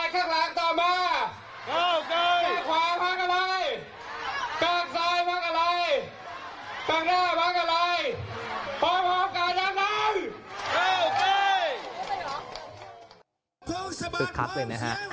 ครั้งตั้งก็ไม่รู้